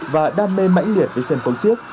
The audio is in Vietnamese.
và đam mê mãnh liệt về sân phóng siếc